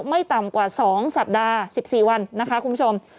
ไม่ต่ำกว่า๒สัปดาห์๑๔วันนะคะคุณผู้ชม